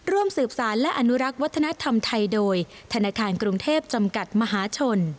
ร่วมสืบสารและอนุรักษ์วัฒนธรรมไทยโดยธนาคารกรุงเทพจำกัดมหาชน